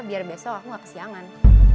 biar besok aku gak kesiangan